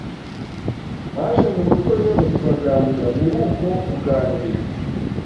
Baje mu rugo rero turaganira , muri uko kuganira